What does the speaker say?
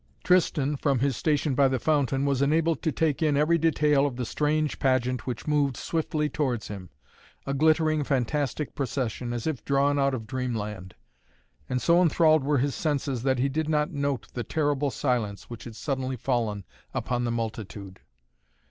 Tristan, from his station by the fountain, was enabled to take in every detail of the strange pageant which moved swiftly towards him, a glittering, fantastic procession, as if drawn out of dreamland; and so enthralled were his senses that he did not note the terrible silence which had suddenly fallen upon the multitude.